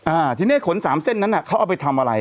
อ่าทีเนี้ยขนสามเส้นนั้นอ่ะเขาเอาไปทำอะไร